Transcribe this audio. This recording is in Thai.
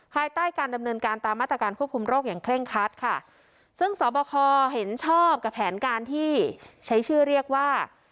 ภายใต้การดำเนินการตามมาตรการควบคุมโรคอย่างเคร่งคัดค่ะซึ่งสอบคอเห็นชอบกับแผนการที่ใช้ชื่อเรียกว่า